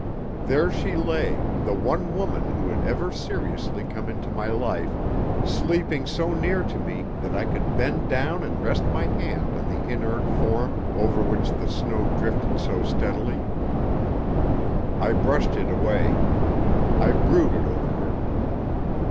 There she lay, the one woman who had ever seriously come into my life, sleeping so near to me that I could bend down and rest my hand on the inert form over which the snow drifted so steadily. I brushed it away. I brooded over her.